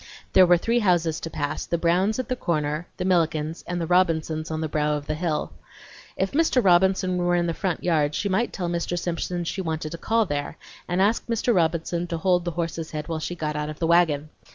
There were three houses to pass; the Browns' at the corner, the Millikens', and the Robinsons' on the brow of the hill. If Mr. Robinson were in the front yard she might tell Mr. Simpson she wanted to call there and ask Mr. Robinson to hold the horse's head while she got out of the wagon.